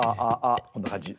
こんな感じ。